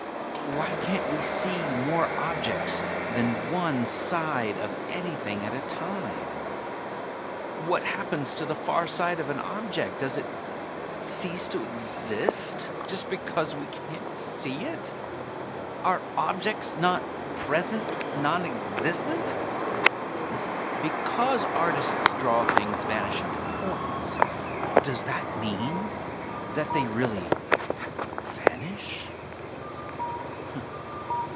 Why can't we see more than one side of anything at a time? What happens to the far side of an object; does it cease to exist just because we can't see it? Are objects not present nonexistent? Because artists draw things vanishing to points, does that mean that they really vanish?"